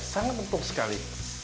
sangat penting sekali